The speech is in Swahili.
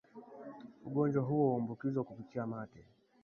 Ugonjwa huu huambukizwa kupitia mate